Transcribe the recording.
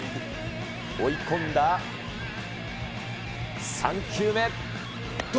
追い込んだ３球目。